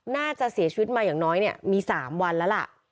น่าจะเสียชีวิตมาอย่างน้อยเนี่ยมี๓วันแล้วล่ะ